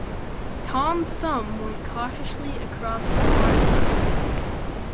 Tom Thumb went cautiously across the hearth-rug.